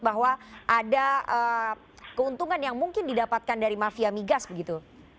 bahwa ada keuntungan yang mungkin didapatkan dari mafia migas begitu